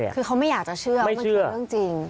คือเขาไม่อยากจะเชื่อว่ามันคือเรื่องจริง